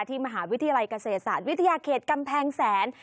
มหาวิทยาลัยเกษตรศาสตร์วิทยาเขตกำแพงแสน